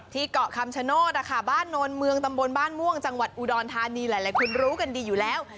เกาะคำชโนธบ้านโนนเมืองตำบลบ้านม่วงจังหวัดอุดรธานีหลายคนรู้กันดีอยู่แล้ว